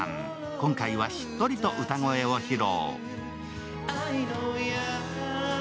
今回はしっとりと歌声を披露。